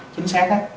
chính xác á